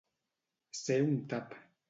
Ser un tap.